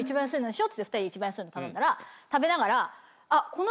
２人で一番安いの頼んだら食べながら。